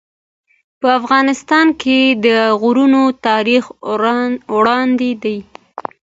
په افغانستان کې د غرونه تاریخ اوږد دی.